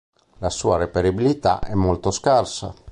La sua reperibilità è molto scarsa.